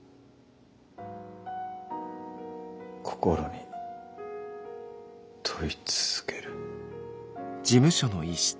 心に問い続ける。